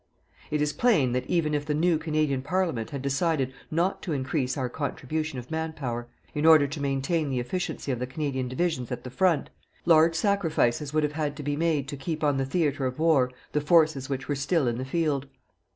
It is plain that even if the new Canadian Parliament had decided not to increase our contribution of man power, in order to maintain the efficiency of the Canadian divisions at the front, large sacrifices would have had to be made to keep on the theatre of war the forces which were still in the field.